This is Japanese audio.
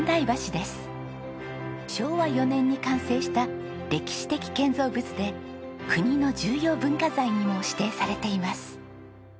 昭和４年に完成した歴史的建造物で国の重要文化財にも指定されています。